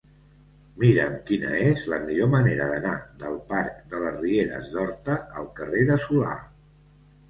Mira'm quina és la millor manera d'anar del parc de les Rieres d'Horta al carrer de Solà.